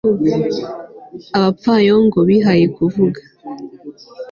abapfayongo bihaye kuvuga